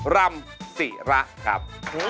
สวัสดีครับ